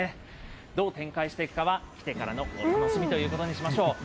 どう展開していくかは、来てからのお楽しみということにしましょう。